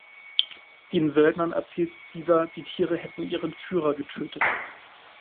Den Söldnern erzählt dieser, die Tiere hätten ihren Führer getötet.